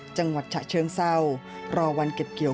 จังหวัดฉะเชิงเศร้ารอวันเก็บเกี่ยว